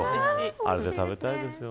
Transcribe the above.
あれで食べたいですよね。